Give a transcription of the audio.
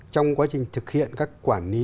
trong quá trình thực hiện các quản lý